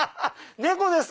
猫です！